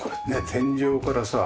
天井からさ